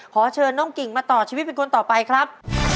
ขอเชิญน้องกิ่งมาต่อชีวิตเป็นคนต่อไปครับ